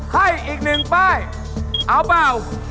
ให้อีก๑ป้ายเอาเปล่า